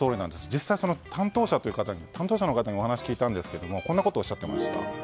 実際、担当者の方にお話を聞いたんですがこんなことをおっしゃっていました。